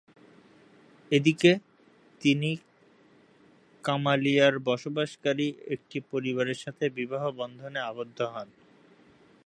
এদিকে, তিনি কামালিয়ায় বসবাসকারী একটি পরিবারের সাথে বিবাহ বন্ধনে আবদ্ধ হন।